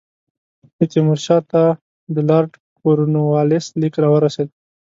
د تیمور شاه ته د لارډ کورنوالیس لیک را ورسېد.